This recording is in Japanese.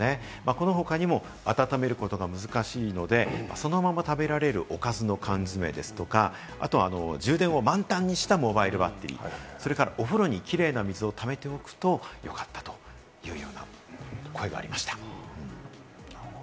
この他にも、温めることが難しいので、そのまま食べられるおかずの缶詰ですとか、充電を満タンにしたモバイルバッテリー、それからお風呂にキレイな水を溜めておくとよかったというような声がありました。